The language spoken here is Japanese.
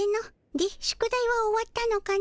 で宿題は終わったのかの？